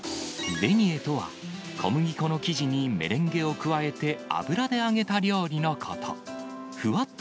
ベニエとは、小麦粉の生地にメレンゲを加えて油で揚げた料理のこと。